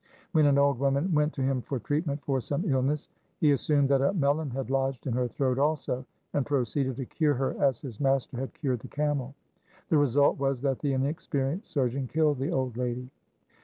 When an old woman went to him for treatment for some illness, he assumed that a melon had lodged in her throat also, and proceeded to cure her as his master had cured the camel. The result was that the inexperienced surgeon killed the old lady.